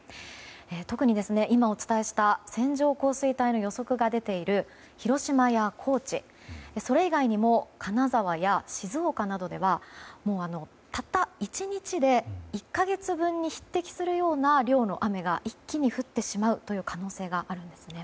特に、今お伝えした線状降水帯の予測が出ている広島や高知、それ以外にも金沢や静岡などではたった１日で１か月分に匹敵するような量の雨が一気に降ってしまうという可能性があるんですね。